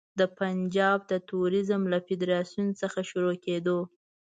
د پنجاب د توریزم له فدراسیون څخه شروع کېدو.